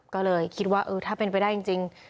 ก็เลยคิดว่าเออถ้าเป็นไปได้จริง